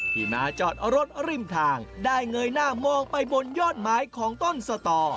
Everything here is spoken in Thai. ที่มาจอดรถริมทางได้เงยหน้ามองไปบนยอดไม้ของต้นสตอ